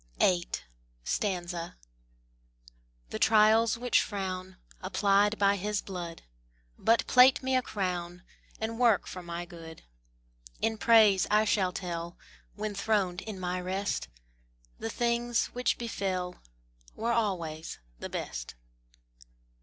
VIII. The trials which frown, Applied by His blood, But plait me a crown, And work for my good. In praise I shall tell, When throned in my rest, The things which befell Were always the best.